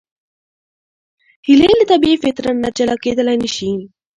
هیلۍ له طبیعي فطرت نه جلا کېدلی نشي